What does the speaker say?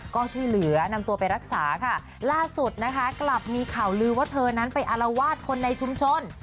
ก็ช่วยเหลือนำตัวไปรักษาค่ะล่าสุดนะคะกลับมีข่าวลือว่าเธอนั้นไปอารวาสคนในชุมชน